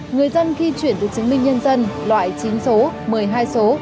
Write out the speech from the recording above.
người dân khi chuyển được chứng minh nhân dân loại chín số một mươi hai số